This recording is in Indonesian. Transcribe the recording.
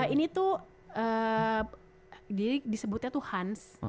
ini tuh disebutnya tuh hans